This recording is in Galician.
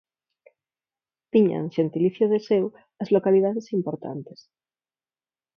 Tiñan xentilicio de seu as localidades importantes.